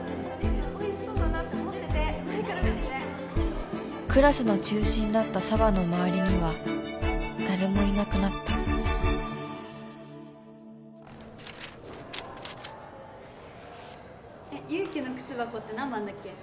・おいしそうだなって思っててクラスの中心だった紗羽の周りには誰もいなくなった・祐希の靴箱って何番だっけ？